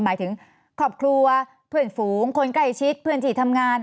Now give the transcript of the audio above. หมายถึงครอบครัวเพื่อนฝูงคนใกล้ชิดเพื่อนที่ทำงาน